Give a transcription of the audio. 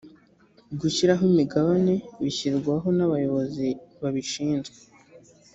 gushyiraho imigabane bishyirwaho nabayobozi babishizwe